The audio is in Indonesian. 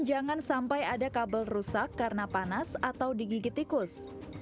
jangan sampai ada kabel rusak karena panas atau digigit tikus